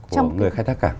của người khai thác cảng